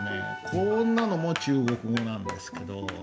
こんなのも中国語なんですけど。